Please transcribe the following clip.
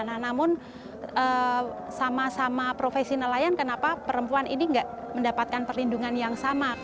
nah namun sama sama profesi nelayan kenapa perempuan ini tidak mendapatkan perlindungan yang sama